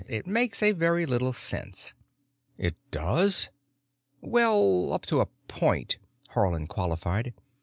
It makes a very little sense." "It does?" "Well, up to a point," Haarland qualified.